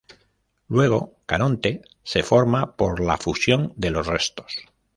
Luego Caronte se forma por la fusión de los restos.